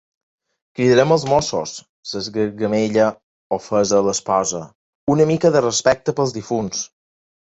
Cridarem els Mossos! —s'esgargamella, ofesa, l'esposa— Una mica de respecte pels difunts!